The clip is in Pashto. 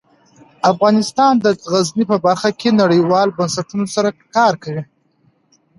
افغانستان د غزني په برخه کې نړیوالو بنسټونو سره کار کوي.